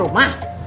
masih berani kamu